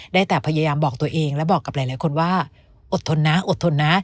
ได้แต่พยายามบอกตัวเองและบอกกับหลายคนว่าอดทนนะอดทนนะ